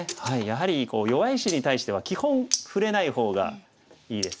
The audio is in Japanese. やはり弱い石に対しては基本触れない方がいいですよね。